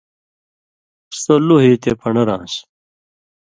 (سو لُوہہۡ ییۡ تے پن٘ڈر آن٘س).